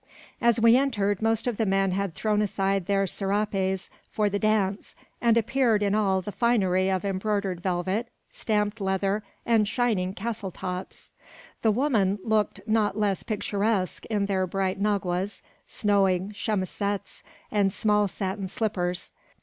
As we entered, most of the men had thrown aside their serapes for the dance, and appeared in all the finery of embroidered velvet, stamped leather, and shining "castletops." The women looked not less picturesque in their bright naguas, snowy chemisettes, and small satin slippers.